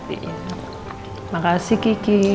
terima kasih kiki